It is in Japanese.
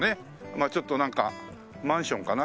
まあちょっとなんかマンションかな？